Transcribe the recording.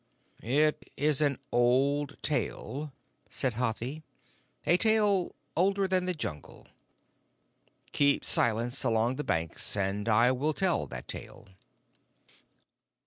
"It is an old tale," said Hathi; "a tale older than the Jungle. Keep silence along the banks, and I will tell that tale."